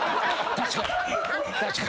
確かに。